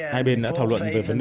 hai bên đã thảo luận về vấn đề